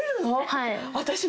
はい。